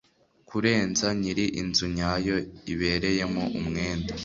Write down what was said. Kurenza nyiri inzu nyayo ibereyemo umwenda